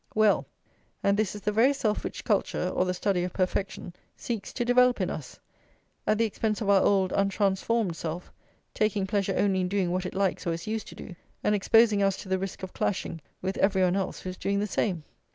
Well, and this is the very self which culture, or the study of perfection, seeks to develop in us; at the expense of our old untransformed self, taking pleasure only in doing what it likes or is used to do, and exposing us to the risk of clashing with every one else who is doing the same!